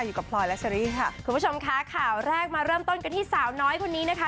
อยู่กับพลอยและเชอรี่ค่ะคุณผู้ชมค่ะข่าวแรกมาเริ่มต้นกันที่สาวน้อยคนนี้นะคะ